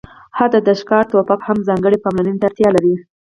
حتی د ښکار ټوپک هم ځانګړې پاملرنې ته اړتیا لري